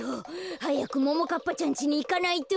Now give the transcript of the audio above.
はやくももかっぱちゃんちにいかないと。